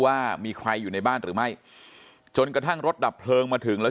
ว่ามีใครอยู่ในบ้านหรือไม่จนกระทั่งรถดับเพลิงมาถึงแล้ว